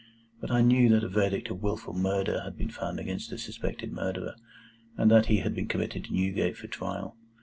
But I knew that a verdict of Wilful Murder had been found against the suspected murderer, and that he had been committed to Newgate for trial.